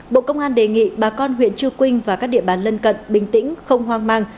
bộ công an đề nghị bà con huyện chư quynh và các địa bàn lân cận bình tĩnh không hoang mang